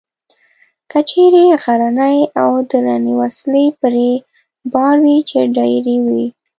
کچرې غرنۍ او درنې وسلې پرې بار وې، چې ډېرې وې.